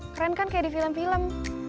keren kan kayak di film film